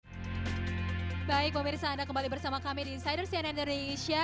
baik pemirsa anda kembali bersama kami di insider cnn indonesia